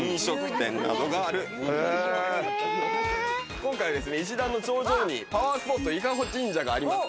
今回、石段の頂上にパワースポット伊香保神社があります。